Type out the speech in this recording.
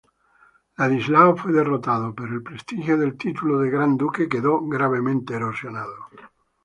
Ladislao fue derrotado, pero el prestigio del título de Gran Duque quedó gravemente erosionado.